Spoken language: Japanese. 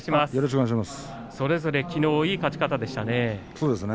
それぞれ、きのうはいい勝ち方でしたね。